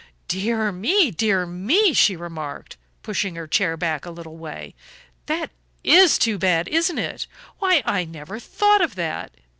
"Dear me, dear me," she remarked, pushing her chair back a little way, "that is too bad, isn't it? Why, I never thought of that.